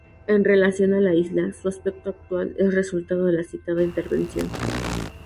En relación a la isla, su aspecto actual es resultado de la citada intervención.